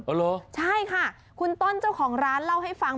เหรอใช่ค่ะคุณต้นเจ้าของร้านเล่าให้ฟัง